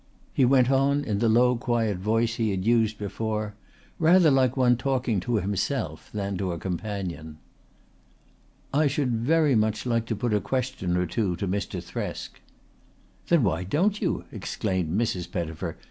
He went on in the low quiet voice he had used before, rather like one talking to himself than to a companion. "I should very much like to put a question or two to Mr. Thresk." "Then why don't you?" exclaimed Mrs. Pettifer.